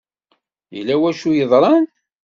Yella wacu i d-yeḍran.